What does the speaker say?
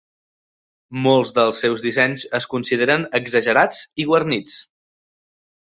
Molts dels seus dissenys es consideren exagerats i guarnits.